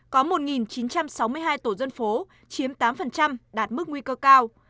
có một chín trăm sáu mươi hai tổ dân phố chiếm tám đạt mức nguy cơ cao